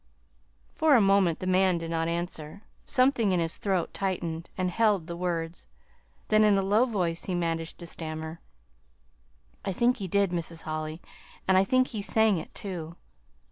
For a moment the man did not answer. Something in his throat tightened, and held the words. Then, in a low voice he managed to stammer: "I think he did, Mrs. Holly, and I think he sang it, too."